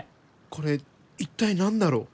これ一体何だろう？